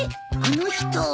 あの人。